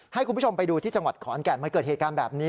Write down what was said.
ให้คุณผู้ชมไปดูที่จังหวัดขอนแก่นมันเกิดเหตุการณ์แบบนี้